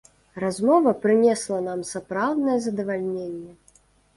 Размова прынесла нам сапраўднае задавальненне!